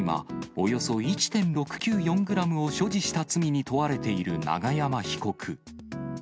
およそ１．６９４グラムを所持した罪に問われている永山被告。